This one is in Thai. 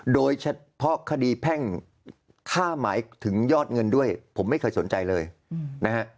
โดยเฉพาะคดีแพ่งค่าหมายถึงยอดเงินด้วยผมไม่เคยสนใจเลยนะฮะ